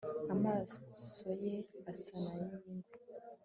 Amaso ye asa nayingwe